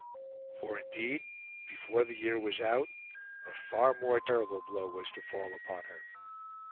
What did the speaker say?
For indeed, before the year was out, a far more terrible blow was to fall upon her.